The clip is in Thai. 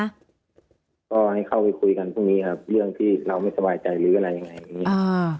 ก็ให้เข้าไปคุยกันพรุ่งนี้ครับเรื่องที่เราไม่สบายใจหรืออะไรยังไงอย่างนี้